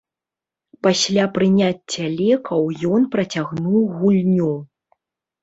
Пасля прыняцця лекаў ён працягнуў гульню.